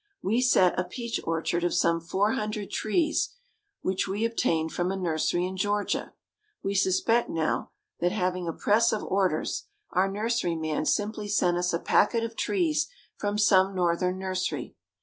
We set a peach orchard of some four hundred trees which we obtained from a nursery in Georgia. We suspect now, that, having a press of orders, our nurseryman simply sent us a packet of trees from some Northern nursery.